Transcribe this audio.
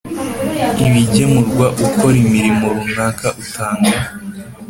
Ibigemurwa ukora imirimo runaka utanga